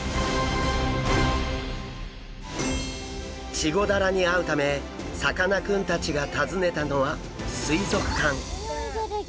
チゴダラに会うためさかなクンたちが訪ねたのは水族館。